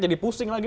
jadi pusing lagi